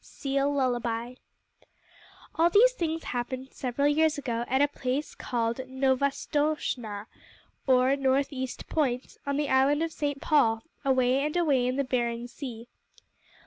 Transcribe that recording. Seal Lullaby All these things happened several years ago at a place called Novastoshnah, or North East Point, on the Island of St. Paul, away and away in the Bering Sea.